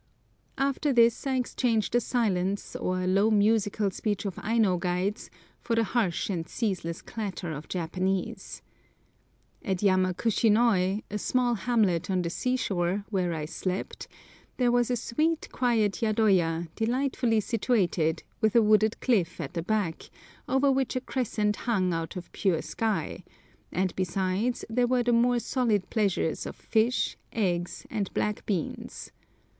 After this I exchanged the silence or low musical speech of Aino guides for the harsh and ceaseless clatter of Japanese. At Yamakushinoi, a small hamlet on the sea shore, where I slept, there was a sweet, quiet yadoya, delightfully situated, with a wooded cliff at the back, over which a crescent hung out of a pure sky; and besides, there were the more solid pleasures of fish, eggs, and black beans.